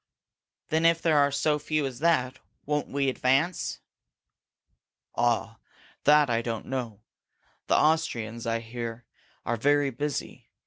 "Then if there are so few as that, won't we advance?" "Ah, that I don't know! The Austrians, I hear, are very busy.